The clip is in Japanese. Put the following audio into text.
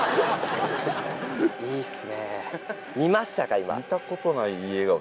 今。